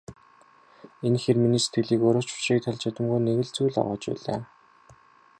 Энэ хэр миний сэтгэлийг өөрөө ч учрыг тайлж чадамгүй нэг л зүйл зовоож байлаа.